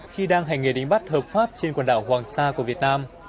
khi đang hành nghề đánh bắt hợp pháp trên quần đảo hoàng sa của việt nam